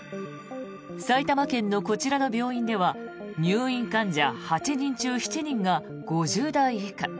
埼玉県のこちらの病院では入院患者８人中７人が５０代以下。